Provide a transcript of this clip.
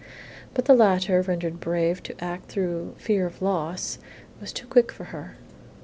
But the latter, rendered brave to act through fear of loss, was too quick for her.